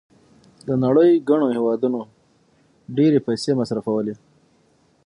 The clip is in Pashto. د نړۍ ګڼو هېوادونو ډېرې پیسې مصرفولې.